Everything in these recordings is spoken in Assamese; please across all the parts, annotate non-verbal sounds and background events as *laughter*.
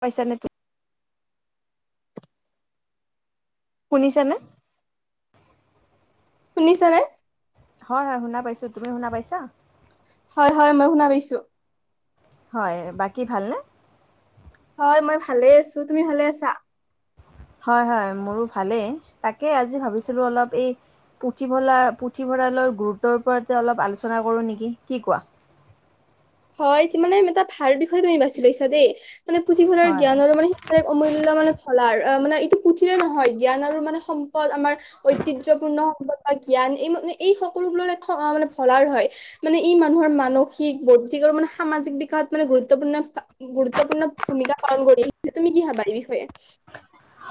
পাইছা নে তু শুনিছানে? শুনিছানে? হয় হয় শুনা পাইছোঁ, তুমি শুনা পাইছা? হয় হয় মই শুনা পাইছোঁ। হয় বাকী ভালনে? হয় মই ভালে আছোঁ, তুমি ভালে আছা? হয় হয় মোৰো ভালেই, তাকে আজি ভাবিছিলোঁ অলপ এই পুথিভঁলা পুথিভঁৰালৰ গুৰুত্বৰ ওপৰতে অলপ আলোচনা কৰোঁ নেকি, কি কোৱা? হয় মানে এটা ভাল বিষয়ে তুমি বাচি লৈছা দেই মানে পুথিভৰালৰ হয় জ্ঞান আৰু মানে ত অমূল্যয় মানে ভলাৰ অ মানে এইটো পুথিৰেই নহয় জ্ঞান আৰু মানে সম্পদ আমাৰ ঐতিহ্যপূৰ্ণ সম্পদ। বা জ্ঞান এই এই সকলোবোৰৰ মানে ভলাৰ হয় মানে ই মানুহৰ মানসিক ব কি মানে সামাজিক বিকাশত মানে গুৰুত্বপূৰ্ণ গুৰুত্বপূৰ্ণ ভূমিকা পালন কৰি সেইটো তুমি কি ভাবা এই বিষয়ে?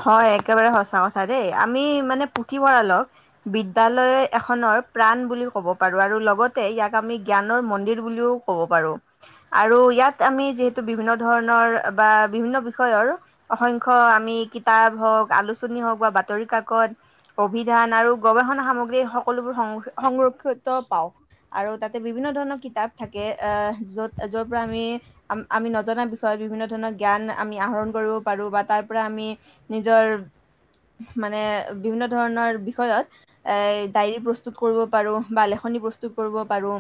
হয় একেবাৰে সঁচা কথা দেই আমি মানে পুথিভঁৰালক বিদ্যালয় এখনৰ প্ৰাণ বুলি ক'ব পাৰোঁ আৰু লগতে ইয়াক আমি জ্ঞানৰ মন্দিৰ বুলিও কব পাৰো আৰু ইয়াত আমি যিহেতু বিভিন্ন ধৰণৰ বা বিভিন্ন বিষয়ৰ অসংখ্য আমি কিতাপ হওঁক আলোচনী হওঁক বা বাতৰি কাকত অভিধান আৰু গৱেষণা সামগ্ৰী সকলোবোৰ সং-সংৰক্ষিত পাও। আৰু তাতে বিভিন্ন ধৰণৰ কিতাপ থাকে এহ য'ত য'ৰ পৰা আমি আ-আমি নজনা বিষয়ে বিভিন্ন ধৰণৰ জ্ঞান আমি আহৰণ কৰিব পাৰোঁ বা তাৰ পৰা আমি নিজৰ মানে বিভিন্ন ধৰণৰ বিষয়ত এ ডায়েৰী প্ৰস্তুত কৰিব পাৰো বা লেখনি প্ৰস্তুত কৰিব পাৰো।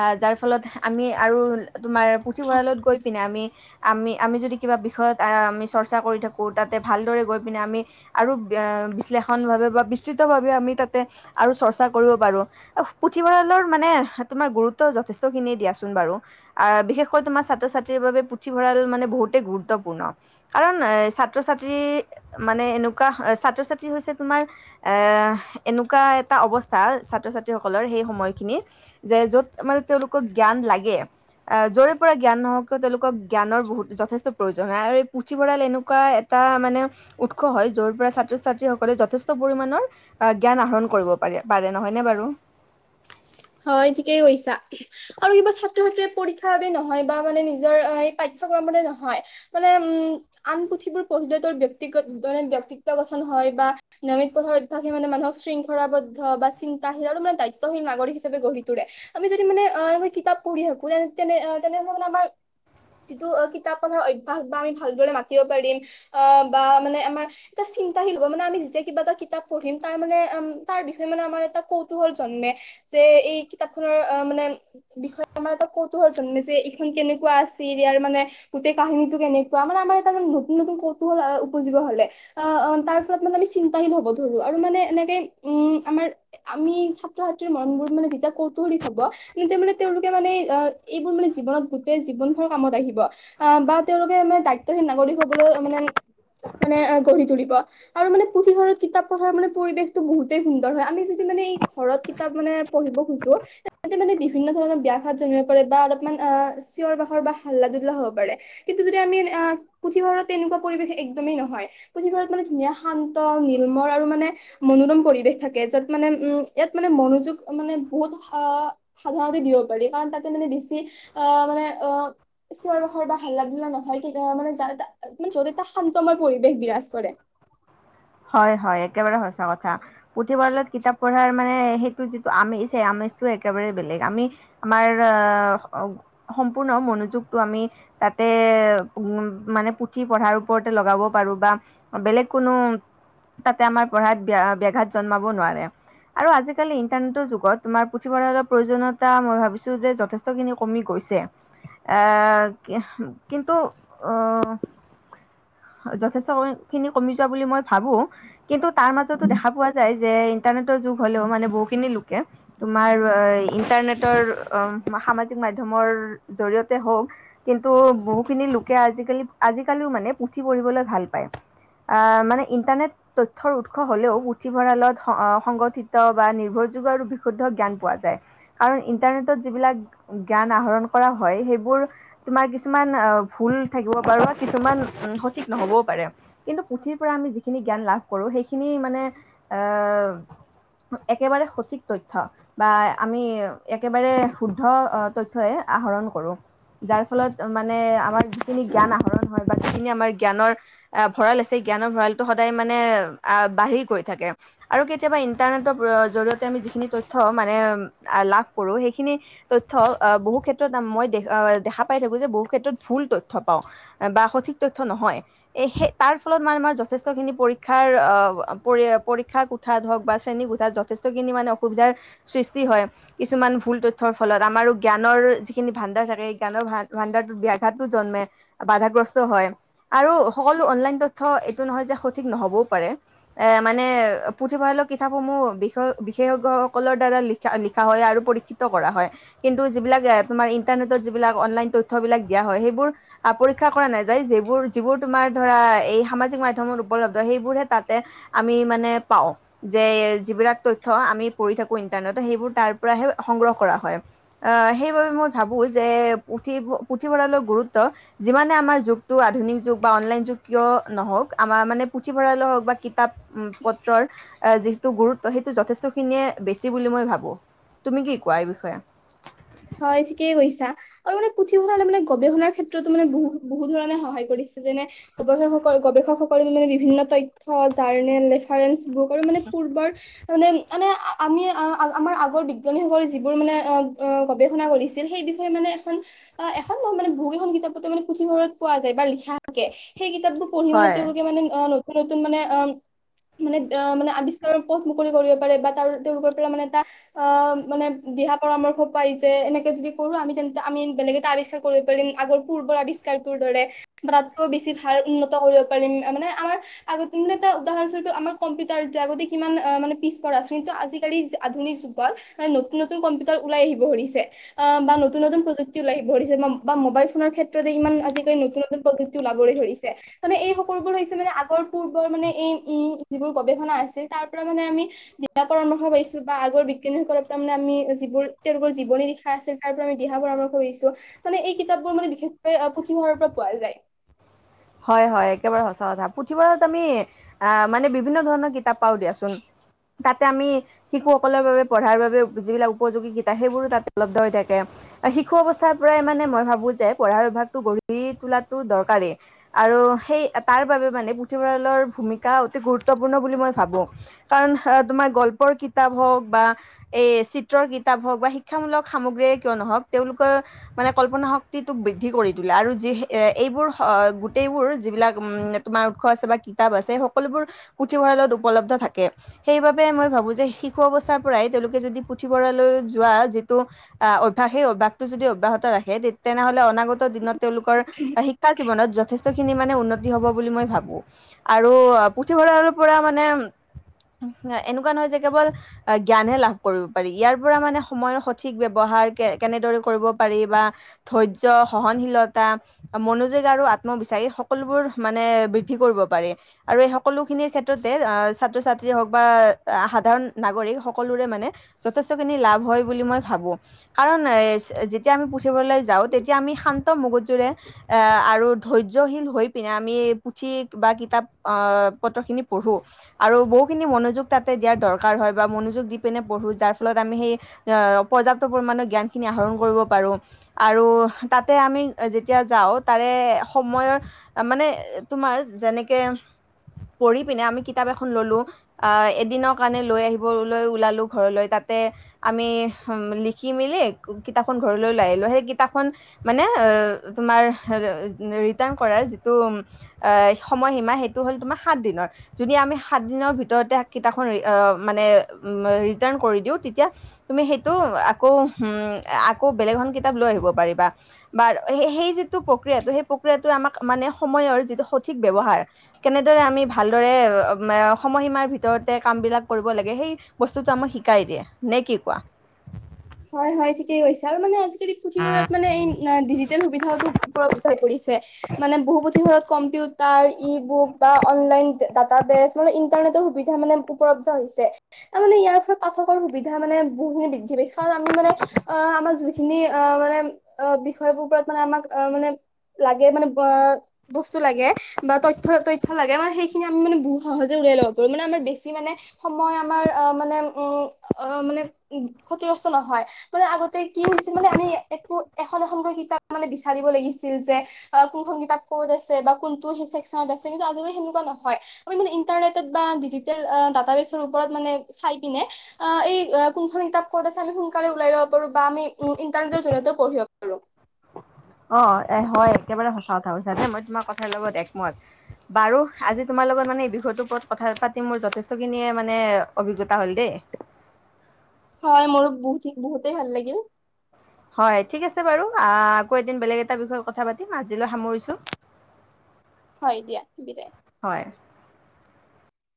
আহ যাৰ ফলত আমি আৰু তোমাৰ পুথিভঁৰালত গৈ পিনে আমি আমি আমি যদি কিবা বিষয়ত আ আমি চৰ্চা কৰি থাকো তাত তাতে ভালদৰে গৈ পিনে আমি আৰু বি এ বিশ্লেষণভাৱে বা বিস্তৃতভাৱে আমি তাতে আৰু চৰ্চা কৰিব পাৰো। উহঃ পুথিভঁৰালৰ মানে তোমাৰ গুৰুত্ব যথেষ্টখিনিয়ে দিয়াচোন বাৰু। আহ বিশেষকৈ তোমাৰ ছাত্ৰ-ছাত্ৰীৰ বাবে পুথিভঁৰাল মানে বহুতেই গুৰুত্বপূৰ্ণ কাৰণ এ চাত ছাত্ৰ-ছাত্ৰী মানে এনেকুৱা ছাত্ৰ-ছাত্ৰী হৈছে তোমাৰ এ এনেকুৱা এটা অৱস্থা ছাত্ৰ-ছাত্ৰীসকলৰ সেই সময়খিনি যে য'ত মানে তেওঁলোকক জ্ঞান লাগে আহ য'ৰে পৰা জ্ঞান নহওকিয় তেওঁলোকক জ্ঞানৰ বহুত যথেষ্ট প্ৰয়োজন হয় আৰু এই পুথিভঁৰাল এনেকুৱা এটা মানে উৎস হয় য'ৰ পৰা ছাত্ৰ-ছাত্ৰীসকলে যথেষ্ট পৰিমাণৰ অ জ্ঞান আহৰণ কৰিব পাৰে, পাৰে নহয়নে বাৰু? হয় ঠিকেই কৈছা, আৰু কিবা ছা ত্ৰ ছাত্ৰীয়ে পৰীক্ষাৰ বাবে নহয় বা নিজৰ এই পাঠ্যক্ৰমৰে নহয় মানে উম আন পুথিবোৰ পঢ়িলে তৰ ব্যক্তিগত মানে ব্যক্তিত্ব গঠন হয় বা নিয়মিত পঢ়াৰ অভ্যাসে মানে মানুহক শৃংখ খলাবদ্ধ বা চিন্তাশিল আৰু মানে দায়িত্বিশিল নাগৰিক হিচাপ গঢ়ি তোৰে। আমি যদি মানে আ এনেকৈ কিতাপ পঢ়ি থাকো তে তেনে আ তেনেহ'লে মানে আমাৰ যিটো অ' কিতাপ পঢ়াৰ অভ্যাস বা আমি ভালদৰে মাতিব পাৰিম অ' বা মানে আমাৰ এটা চিন্তাশীল হ'ব, মানে আমি যেতিয়া কিবা এটা কিতাপ পঢ়িম তাৰ মানে আম তাৰ বিষয়ে মানে আমাৰ এটা কৌতুহল জন্মে, যে এই কিতাপ খনৰ অ মানে বিষয়ে আমাৰ এটা কৌতুহল জন্মে, যে ইখন কেনেকুৱা আছিল ইয়াৰ মানে গোটেই কাহিনীটো কেনেকুৱা? মানে আমাৰ এটা এটা নতুন নতুন কৌতুহল উপজিব অ হ'লে অ অ তাৰ ফলত মানে আমি চিন্তাশীল হ'ব ধৰো আৰু মানে এনেকে উম আমাৰ আমি ছাত্ৰ-ছাত্ৰীৰ মন বোৰ মানে যেতিয়া কৌতুহলিক হ'ব তেতিয়া মানে তেওঁলোকে মানে আ এইবোৰ মানে জীৱনত গোটেই জীৱন ভৰ কামত আহিব। আহ বা তেওঁলোকে মানে দায়িত্বশীল নাগৰিক হ'বলৈ মানে মানে আ গঢ়ি তুলিব। আৰু মানে পুথি ভঁৰালত কিতাপ পঢ়াৰ মানে পৰিৱেশটো বহুত গোটেই সুন্দৰ হয়। আমি যদি মানে এই ঘৰত কিতাপ মানে পঢ়িব খোজোঁ ততে মানে বিভিন্ন ধৰণৰ ব্যাঘাত জন্মিব পাৰে বা অলপমান অ চিঞৰ বাখৰ বা হাল্লা ধুল্লা হ'ব পাৰে। কিন্তু যদি আমি আহ পুথিভঁৰালত তেনেকুৱা পৰিৱেশ একদমেই নহয়। পুথিভঁৰাত মানে ধুনীয়া শান্ত, নিৰ্মল আৰু মানে মনোৰম পৰি বেশ থাকে, য'ত মানে উম ইয়াত মানে মনোযোগ মানে বহুত স সাধাৰণতে দিব পাৰি, কাৰণ তাতে মানে বেছি আ মানে অ' চিঞৰ-বাখৰ বা হাল্লা-ধুল্লা নহয় কে আ মানে যাৰ তা মানে য'ত এটা শান্তময় পৰিৱেশ বিৰাজ কৰে। হয় হয় একেবাৰে সঁচা কথা। পুথিভঁৰালত কিতাপ পঢ়াৰ মানে হে টো যিটো আমেজ সেই আমেজটো একেবাৰে বেলেগ, আমি আমাৰ আ সম্পূৰ্ণ মনোযোগটো আমি তাতে উ মানে পুথি পঢ়াৰ ওপৰতে লগাব পাৰো বা বেলেগ কোনো তাতে আমাৰ পঢ়াত ব্যা আ ব্যাঘাত জন্মাব নোৱাৰে। আৰু আজিকালি ইণ্টাৰনেটৰ যুগত তোমাৰ পুথিভঁৰালৰ প্ৰয়োজনতা মই ভাবিছো যে যথেষ্ট ত খিনি কমি গৈছে। এহ কি কিন্তু অঁহ যথেষ্ট খিনি কমি যোৱা বুলি মই ভাবো, কিন্তু তাৰ মাজতো দেখা পোৱা যায় যে ইন্টাৰনেটৰ যুগ হলেও মানে বহুখিনি লোকে তোমাৰ ইণ্টাৰনেটৰ সামাজিক মাধ্যমৰ জৰিয়তে হওঁক কিন্তু বহুখিনি লোকে আজিকালি আজিকালিও মানে পুথি পঢ়িবলৈ ভাল পায়। আহ মানে ইণ্টাৰনেট তথ্য উৎস হলেও, পুথিভঁৰালত অঁ সংগঠিত বা নিৰ্ভৰযোগ্য আৰু বিশুদ্ধ জ্ঞান পোৱা যায়। কাৰণ ইন্টাৰনেটত যিবিলাক জ্ঞান আহৰণ কৰা হয় সেইবোৰ তোমাৰ কিছুমান আ ভুল থাকিব পাৰো বা কিছুমান সঠিক নহবও পাৰে। কিন্তু পুথিৰ পৰা আমি যিখিনি জ্ঞান লাভ কৰো, সেইখিনি মানে আহ একেবাৰে সঠিক তথ্য, বা আমি একেবাৰে শুদ্ধ তথ্যই আহৰণ কৰোঁ। যাৰ ফলত মানে আমাৰ যিখিনি জ্ঞান আহৰণ হয় বা যিখিনি আমাৰ জ্ঞানৰ আহ ভঁৰাল আছে জ্ঞানৰ ভঁৰালটো সদায় মানে আহ বাঢ়ি গৈ থাকে। আৰু কেতিয়াবা ইন্টাৰনেটৰ জৰিয়তে আমি যিসিনি তথ্য মানে লাভ কৰো সেইখিনি তথ্য আহ বহু ক্ষেত্ৰত মই দে আহ দেখা পাই থাকো যে বহু ক্ষেত্ৰত ভুল তথ্য পাওঁ। বা সঠিক তথ্য নহয়, এ সেই তাৰ ফলত মানে আমাৰ য যথেষ্টখিনি পৰীক্ষাৰ অ পৰীক্ষা কোঠাত হওক বা শ্ৰেণীকোঠাত যথেষ্টখিনি মানে অসুবিধাৰ সৃষ্টি হয়। কিছুমান ভুল তথ্যৰ ফলত আমাৰো জ্ঞানৰ যিখিনি ভাণ্ডাৰ থাকে সেই জ্ঞানৰ ভ ভাণ্ডাৰটোত ব্যাঘাতো জন্মে। বাধাগ্ৰস্ত হয়, আৰু সকলো অনলাইন তথ্য এ এইটো নহয় যে সঠিক নহ'বও পাৰে, এ মানে পুথিভৰালৰ কিতাপ সমূহ বিশেষজ্ঞ সকলৰ দ্বাৰা লিখা লিখা হয় আৰু পৰীক্ষিত কৰা হয়, কিন্তু যিবিলাক তোমাৰ ইন ইটাৰনেটত যিবিলাক অনলাইন তথ্যবিলাক দিয়া হয় সেইবোৰ পৰীক্ষা কৰা নাযায় যিবোৰ যিবোৰ তোমাৰ ধৰা এই সামাজিক মাধ্যমত উপলব্ধ সেইবোৰহে তাতে আমি মানে পাওঁ। যে যিবিলাক তথ্য আমি পঢ়ি থাকো ইন্টাৰনেটত সেইবোৰ তাৰ পৰাহে সংগ্ৰহ কৰা হয়। অঁ সেইবাবে মই ভাবো যে পুথি পুথিভঁৰালৰ গুৰুত্ব যিমানে আমাৰ যুগতটো আধুনিক যুগ বা অনলাইন যুগ কিয় নহ আমাৰ মানে পুথিভঁৰাল হওঁক বা কিতাপ পত্ৰৰ এ যিটো গুৰুত্ব সেইটো যথেষ্ট খিনিয়ে বেছি বুলি মই ভাবো, তুমি কি কোৱা এই বিষয়ে? হয় ঠিকেই কৈছা আৰু মানে পুথিভঁৰালে মানে গৱেষণাৰ ক্ষেত্ৰতো মানে বহু বহু ধৰণে সহায় কৰিছে যেনে গৱেষক সকল গৱেষক সকলে মানে বিভিন্ন তথ্য জাৰ্নেল ৰেফাৰেঞ্চ বুক আৰু মানে ফুৰ্বৰ মানে মানে আমি আমাৰ আগৰ বিজ্ঞানীসকললে যিবোৰ মানে অ অ গৱেষণা কৰিছিল সেই বিষয়ে মানে এখন অ এখন নহয় মানে বহু কেইখন কিতাপ পত্ৰ মানে পুথিভঁৰালত পোৱা যায় বা লিখা থাকে। সেই কিতাপবোৰ পঢ়ি মানে হয় তেওঁলোকে মানে নতুন নতুন মানে অ মানে আহ মানে আৱিষ্কাৰৰ পথ মুকলি কৰিব পাৰে বা তাৰ তেওঁলোকৰ পৰা মানে এটা অ মানে দিহা পৰামৰ্শ পাই যে এনেকে যদি কৰোঁ আমি তেন্তে আমি বেলেগ এটা আৱিষ্কাৰ কৰিব পাৰিম আগৰ পূৰ্বৰ আৱিষ্কাৰটোৰ দৰে। তাতকৈ বেছি ভাল উন্নত কৰিব পাৰিম মানে আমাৰ আগ মানে এটা উদাহৰণ স্বৰূপে আমাৰ কম্পিউটাৰ এতিয়া আগতে কিমান অ মানে পিছ পৰা, কিন্তু আজিকালি আধুনিক মানে নতুন নতুন ম্পিউটাৰ উলাই আহিব ধৰিছে বা নতুন নতুন প্ৰযুক্তি ওলাব ধৰিছে বা মোবাইল ফ'নৰ ক্ষেত্ৰত ইমান আজিকালি নতুন নতুন প্ৰযুক্তিৰ উলাবলৈ ধৰিছে। মানে এই সকলোবোৰ হৈছে মানে আগৰ পূৰ্বৰ মানে এই উম, যিবোৰ গৱেষণা আছিল তাৰ পৰা মানে আমি দিহা পৰামৰ্শ পাইছো বা আগৰ বিজ্ঞানীসকলৰ পৰা মানে আমি যিবোৰ তেওঁলোকৰ জীৱনি লিখা আছিল তাৰ পৰা আমি দিহা পৰামৰ্শ পাইছোঁ। মানে এই কিতাপবোৰ মানে বিশেষকৈ পুথিভঁৰালৰ পৰা পোৱা যায়। হয়, হয়, একেবাৰে সঁচা কথা, পুথিভঁৰালত আমি আহ, মানে বিভিন্ন ধৰণৰ কি তাপ পাও দিয়াচোন। তাতে আমি শিশুসকলৰ বাবে পঢ়াৰ বাবে যিবিলাক উপযোগী কিতাপ সেইবোৰো তাতে উপলব্ধ হৈ থাকে। শিশু অৱস্থাৰ পৰাই মানে মই ভাবো যে পঢ়া অভ্যাসটো গঢ়ি তোলাটো দৰকাৰি। আৰু সেই তাৰ বাবে মানে পুথিভঁৰালৰ ভূমিকা অতি গুৰুত্বপূৰ্ণ বুলি মই ভাবোঁ। কাৰণ তোমাৰ গল্পৰ কিতাপ হওক বা এই চিত্ৰৰ কিতাপ হওক বা শিক্ষামূলক সামগ্ৰীয়ে কিয় ন'হওক তেওঁলোকৰ মানে কল্পনা শক্তিটোক বৃদ্ধি কৰি তোলে আৰু যি এ-এইবোৰ গোটেইবোৰ যিবিলাক তোমাৰ উৎস আছে বা কিতাপ আছে সকলোবোৰ পুথিভঁৰালত উপলব্ধ থাকে সেইবাবে মই ভাবো যে শিশু অৱস্থা পৰাই তেওঁলোকে যদি পুথিভঁৰাললৈ যোৱা যিটো আহ, অভ্যাস সেই অভ্যয়াসটো যদি অব্যাহত ৰাখে তেনেহ'লে অনাগত দিনত তেওঁলোকৰ শিক্ষা জীৱনত যথেষ্ট খিনি মানে উন্নতি হ'ব বুলি মই ভাবো আৰু অ', পুথিভঁৰাল অলপ পৰা মানে এনেকুৱা নহয় যে কেৱল জ্ঞানহে লাভ কৰিব পাৰি, ইয়াৰ পৰা মানে সময়ৰ সঠিক ব্যৱহাৰ কে-কেনেদৰে কৰিব পাৰি বা ধৈৰ্য, সহনশীলতা মনো যোগ আৰু আত্মবিশ্বাস এই সকলোবোৰ মানে বৃদ্ধি কৰিব পাৰি আৰু এই সকলোখিনি ক্ষেত্ৰতে ছাত্ৰ-ছাত্ৰী হওক বা সাধাৰণ নাগৰিক সকলোৰে মানে যথেষ্ট খিনি লাভ হয় বুলি মই ভাবো। কাৰণ যেতিয়া আমি পুথিভৰাললৈ যাওঁ তেতিয়া আমি শান্ত মগজুৰে আৰু ধৈৰ্যশীল হৈ পিনে আমি পুথি বা কিতাপ পত্ৰখিনি পঢ়োঁ। আৰু বহুখিনি মনোযোগ তাতে দিয়াৰ দৰকাৰ হয় বা মনোযোগ দি পিনে পঢ়োঁ যাৰ ফলত আমি সেই আহ, পৰ্যাপ্ত পৰিমাণৰ জ্ঞান খিনি আহৰণ কৰিব পাৰো। আৰু তাতে আমি যেতিয়া যাওঁ তাৰে সময়ৰ মানে তোমাৰ যেনেকে পঢ়ি পিনে আমি কিতাপ এখন ল'লো আহ, এদিনক কাৰণে লৈ আহিবলৈ ওলালোঁ ঘৰলৈ তাতে আমি লিখি-মেলি কিতাপখন ঘৰলৈ লৈ আহিলো, সেই কিতাপখন মানে তোমাৰ ৰিটাৰ্ণ কৰাৰ যিটো সময়সীমা সেইটো হ'ল তোমাৰ সাত দিনৰ। যদি আমি সাত দিনৰ ভিতৰতে কিতাপ খন মানে ৰিটাৰ্ণ কৰি দিও তেতিয়া তুমি সেইটো আকৌ উম, আকৌ বেলেগ এখন কিতাপ লৈ আহিব পাৰিবা। বাৰ সে-সেই যিটো প্ৰক্ৰিয়াটো সেই প্ৰক্ৰিয়াটো আমাক মানে সময়ৰ যিটো সঠিক ব্যৱহাৰ। কেনেদৰে আমি ভালদৰে সময়সীমাৰ ভিতৰতে কামবিলাক কৰিব লাগে সেই বস্তুটো আমাক শিকাই দিয়ে, নে কি কোৱা? *inaudible* হয়, হয়, ঠিকে কৈছা আৰু মানে আজিকালি পুথিভঁৰাত মানে এই ডিজিটেল সুবিধাওটো উপলব্ধ হৈ পৰিছে। মানে বহু পুথি ঘৰত কম্পিউটাৰ, ই বুক বা অনলাইন ডাটা বেচ মানে ইন্টাৰনেটৰ সুবিধা মানে উপলব্ধ হৈছে, তাৰ মানে ইয়াৰ ফলত পাঠকৰ সুবিধা মানে বহুখিনি বৃদ্ধি পাইছে। আমি মানে, অ' আমাক যিখিনি অ' মানে বিষয়বোৰ ওপৰত মানে আমাক মানে লাগে মানে ব বস্তু লাগে। বা তথ্য, তথ্য লাগে মানে সেইখিনি আমি মানে বহুত সহজে উলিয়াই লম। মানে আমাৰ বেছি মানে সময় আমাৰ মানে, উম'। অ' মানে ক্ষতিগ্ৰস্ত নহয়। মানে আগতে কি হৈছিল মানে, আমি একো এখন এখনকৈ কিতাপ মানে বিচাৰিব লাগিছিল যে। কোনখন কিতাপ ক'ত আছে বা কোনটো ছেকচনত আছে কিন্তু আজিকালি সেনেকুৱা নহয় আমি মানে ইটাৰনেট বা ডিজিটেল ডাটা বেচৰ ওপৰত মানে চাই পিনে আ এই কোনখন কিতাপ ক'ত আছে, আমি সোনকালে উলাই লব পাৰো বা আমি ই ইটাৰনেটৰ জৰিয়তেও পঢ়িব পাৰো। অ' এ হয় একেবাৰে সঁচা কথা কৈছা দেই, মই তোমাৰ কথাৰ লগত একমত। বাৰু আজি তোমাৰ লগত মানে এই বিষয়টোৰ ওপৰত কথা পাতি, মোৰ যথেষ্টখিনিয়ে মানে অভিজ্ঞতা হ'ল দেই। হয় মোৰ বহুত বহুতেই ভাল লাগিল। হয় ঠিক আছে বাৰু। আকৌ এদিন বেলেগ এটা বিষয়ত কথা পাতিম আজিলৈ সামৰিছোঁ। হয় দিয়া বিদায়। হয়।